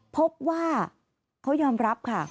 พบว่าเขายอมรับค่ะ